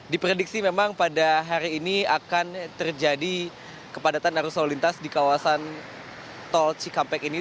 diprediksi memang pada hari ini akan terjadi kepadatan arus lalu lintas di kawasan tol cikampek ini